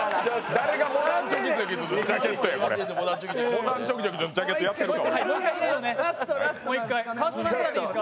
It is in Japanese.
モダンチョキチョキズのジャケットやってるか。